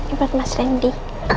ini buat mas randy